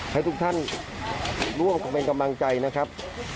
ให้ทุกท่านร่วมเป็นกำลังใจนะครับ